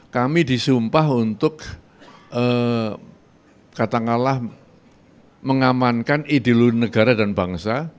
kami disumpah untuk katakanlah mengamankan ideologi negara dan bangsa